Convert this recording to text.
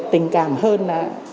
tình cảm hơn là